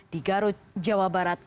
di garut jawa barat